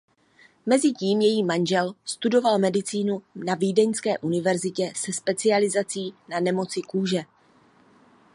Mezitím její manžel studoval medicínu na Vídeňské univerzitě se specializací na nemoci kůže.